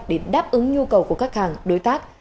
để đáp ứng nhu cầu của khách hàng đối tác